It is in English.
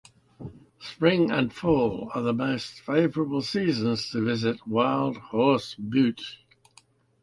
Spring and fall are the most favorable seasons to visit Wild Horse Butte.